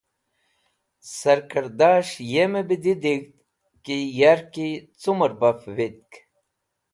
Sarkẽrdas̃h yemẽ bẽ didig̃hd ki yarki cũmẽr baf vitk.